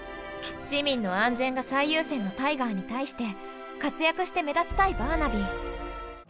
市民の安全が最優先のタイガーに対して活躍して目立ちたいバーナビー。